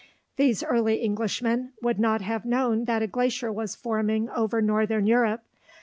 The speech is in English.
These early Englishmen would not have known that a glacier was forming over northern Europe.